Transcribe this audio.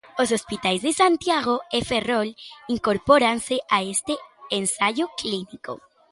Os hospitais de Santiago e Ferrol incorpóranse a este ensaio clínico.